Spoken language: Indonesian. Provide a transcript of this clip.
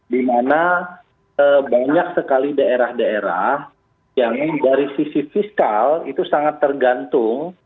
di mana banyak sekali daerah daerah yang dari sisi fiskal itu sangat tergantung